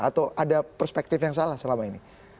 atau ada perspektif yang salah selama ini